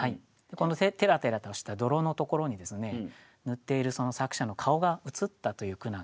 このてらてらとした泥のところにですね塗っている作者の顔が映ったという句なんですよね。